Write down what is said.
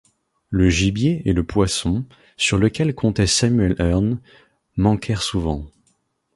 Le gibier et le poisson, sur lesquels comptait Samuel Hearne, manquèrent souvent.